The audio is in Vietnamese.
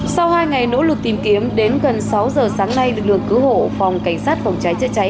sau hai ngày nỗ lực tìm kiếm đến gần sáu giờ sáng nay lực lượng cứu hộ phòng cảnh sát vòng trái chạy cháy